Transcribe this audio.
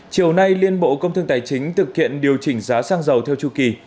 chiều nay liên bộ công thương tài chính thực hiện điều chỉnh giá xăng dầu theo chu kỳ